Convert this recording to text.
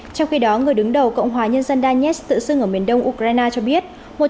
trong khi đó người đứng đầu cộng hòa nhân dân danetsk tự xưng ở miền đông ukraine cho biết